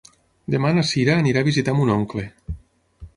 Demà na Sira anirà a visitar mon oncle.